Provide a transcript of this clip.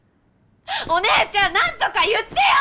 お姉ちゃんなんとか言ってよ！